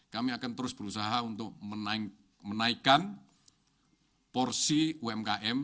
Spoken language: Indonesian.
kami akan terus berusaha untuk menaikkan porsi umkm